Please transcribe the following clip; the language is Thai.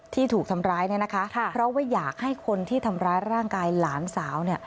ที่ถูกทำร้ายเนี่ยนะคะเพราะว่าอยากให้คนที่ทำร้ายร่างกายหลานสาว